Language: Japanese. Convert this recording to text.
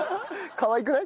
かわいくない？